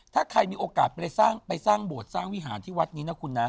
ถ้าใครมีโอกาสไปสร้างโบสถสร้างวิหารที่วัดนี้นะคุณนะ